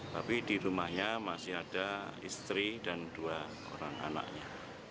tapi di rumahnya masih ada istri dan dua orang anaknya